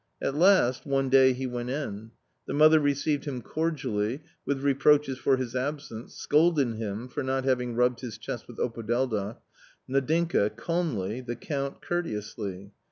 At last, one day he went in. The mother received him cordially, with reproaches for his absence, scolded him for not having rubbed his chest with opodeldoc ; Nadinka — calmly, the Count — courteously.